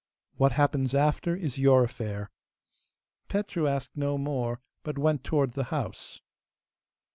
What happens after is your affair.' Petru asked no more, but went towards the house.